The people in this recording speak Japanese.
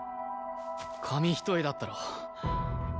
紙一重だったろ成早。